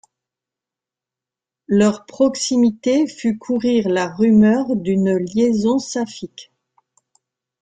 Leur proximité fut courir la rumeur d'une liaison saphique.